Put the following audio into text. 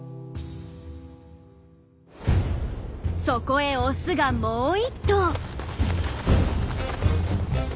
そこへオスがもう一頭。